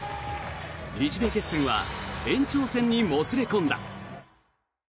日米決戦は延長戦にもつれ込んだ。